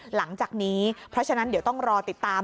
หลังจากนี้เพราะฉะนั้นเดี๋ยวต้องรอติดตาม